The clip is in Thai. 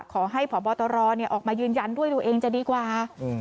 ขอให้พบตรออกมายืนยันด้วยตัวเองจะดีกว่า